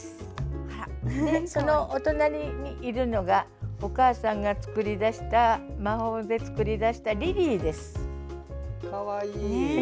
そのお隣にいるのがお母さんが魔法で作り出したリリィです。